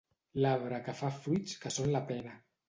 L'arbre que fa fruits que són la pera.